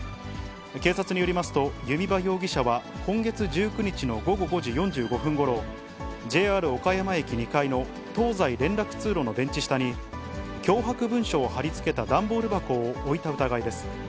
警察によりますと、弓場容疑者は、今月１９日の午後５時４５分ごろ、ＪＲ岡山駅２階の東西連絡通路のベンチ下に、脅迫文書を貼り付けた段ボール箱を置いた疑いです。